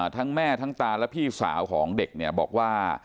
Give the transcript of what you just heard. ทั้งแม่ทั้งตาและพี่สาวของเด็กเนี่ยบอกว่า